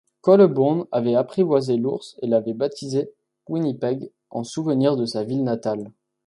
Colebourn avait apprivoisé l’ourse et l'avait baptisée Winnipeg en souvenir de sa ville natale.